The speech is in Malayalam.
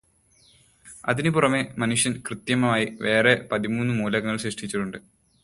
അതിനു പുറമേ മനുഷ്യൻ കൃത്രിമമായി വേറെ പതിമൂന്ന് മൂലകങ്ങൾ സൃഷ്ടിച്ചിട്ടുണ്ട്.